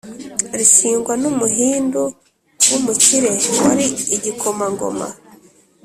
rishingwa n’umuhindi w’umukire wari igikomangoma